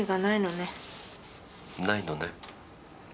ないのね。